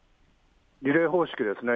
リレー方式ですね。